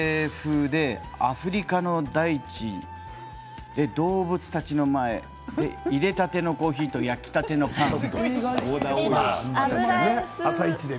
油絵風でアフリカの大地動物たちの前で、いれたてのコーヒーと焼きたてのパン。